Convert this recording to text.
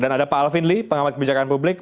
dan ada pak alvin lee pengamat kebijakan publik